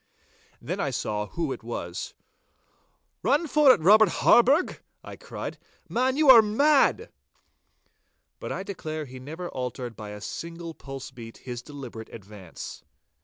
Then I saw who it was. 'Run for it, Robert Harburgh,' I cried. 'Man, you are mad.' But I declare he never altered by a single pulse beat his deliberate advance.